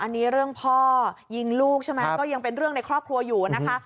อันนี้เรื่องพ่อยิงลูกใช่ไหมก็ยังเป็นเรื่องในครอบครัวอยู่นะคะ